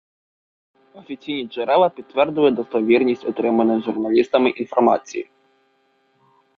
Офіційні джерела підтвердили достовірність отриманої журналістами інформації